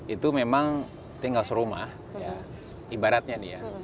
itu memang tinggal serumah ya ibaratnya nih ya